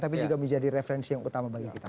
tapi juga menjadi referensi yang utama bagi kita